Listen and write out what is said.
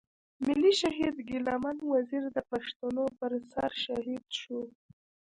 ملي شهيد ګيله من وزير د پښتنو پر سر شهيد شو.